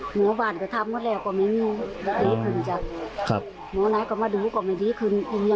หมอนัยก็มาดูกว่าไม่ได้ไปหมอเหมือนเดิมอินทรีย์ไป